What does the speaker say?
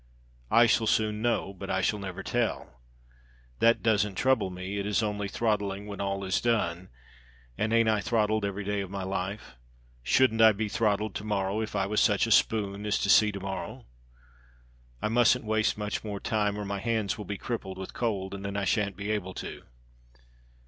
I shall soon know but I shall never tell. That doesn't trouble me, it is only throttling when all is done; and ain't I throttled every day of my life. Shouldn't I be throttled to morrow if I was such a spoon as to see to morrow. I mustn't waste much more time or my hands will be crippled with cold and then I shan't be able to.